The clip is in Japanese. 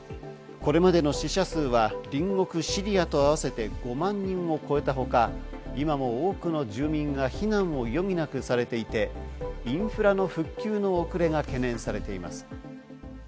これまでの死者数は隣国シリアと合わせて５万人を超えたほか、今も多くの住民が避難を余儀なくされていて、インフラの復旧の遅れが懸念されています。